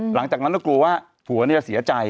หลังจากนั้นก็กลัวว่าผัวจะเสียใจ